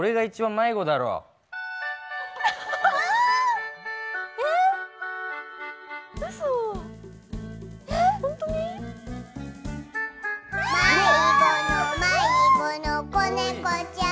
「まいごのまいごのこねこちゃん」